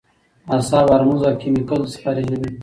اعصاب هارمونز او کېميکلز خارجوي